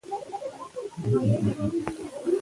قبر یې په درنښت ښخ سو.